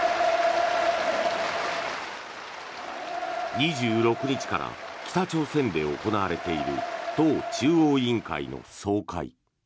２６日から北朝鮮で行われている党中央委員会の総会。